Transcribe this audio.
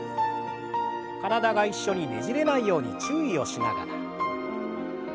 体が一緒にねじれないように注意をしながら。